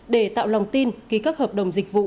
để tạo lòng tin ký các hợp đồng dịch vụ